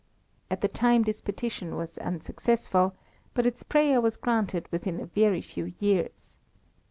At the time this petition was unsuccessful, but its prayer was granted within a very few years.